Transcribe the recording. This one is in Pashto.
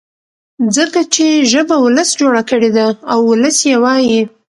ځکه چي ژبه ولس جوړه کړې ده او ولس يې وايي.